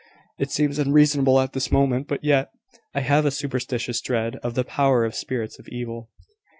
"It seems unreasonable at this moment; but yet, I have a superstitious dread of the power of spirits of evil."